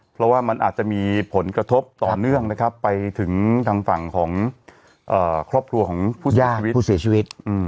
เพราะว่ามันอาจจะมีผลกระทบต่อเนื่องนะครับไปถึงทางฝั่งของครอบครัวของผู้เสียชีวิต